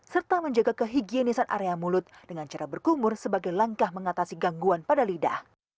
serta menjaga kehigienisan area mulut dengan cara berkumur sebagai langkah mengatasi gangguan pada lidah